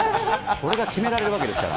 これが決められるわけですから。